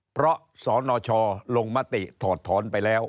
เพราะสนชลงมติถอดถอนไปแล้ว